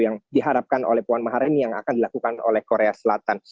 yang diharapkan oleh puan maharani yang akan dilakukan oleh korea selatan